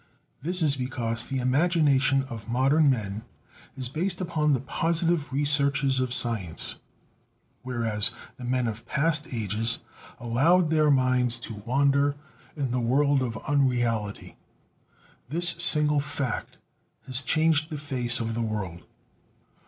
This is because the imagination of modern men is based upon the positive researches of science, whereas the men of past ages allowed their minds to wander in the world of unreality. This single fact has changed the face of the world.